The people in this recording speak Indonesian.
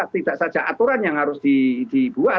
tidak saja aturan yang harus dibuat